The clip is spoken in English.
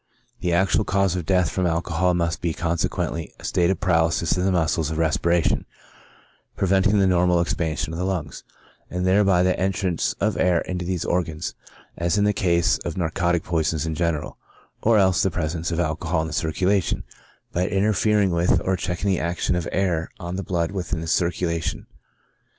The actual cause of death frorn alcohol must be, consequently, a state of paralysis of the muscles of respiration, preventing the normal expansion of the lungs, and thereby the entrance of air into these organs, as in the case of narcotic poisons in general ; or else the presence of alcohol in the circulation, by interfering with or checking the action of air on the blood within the circulation, gives * On the Path